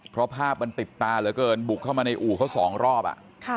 เพราะภาพมันติดตาเหลือเกินบุกเข้ามาในอู่เขาสองรอบ